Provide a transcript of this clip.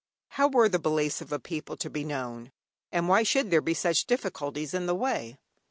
How were the beliefs of a people to be known, and why should there be such difficulties in the way?